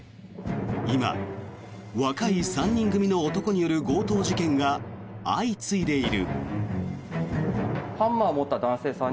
今、若い３人組の男による強盗事件が相次いでいる。